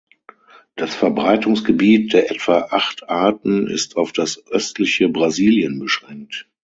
Das Verbreitungsgebiet der etwa acht Arten ist auf das östliche Brasilien beschränkt.